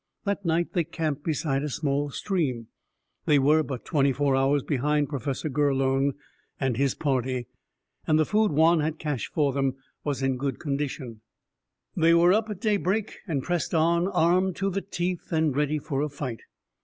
That night, they camped beside a small stream. They were but twenty four hours behind Professor Gurlone and his party, and the food Juan had cached for them was in good condition. They were up at daybreak, and pressed on, armed to the teeth and ready for a fight.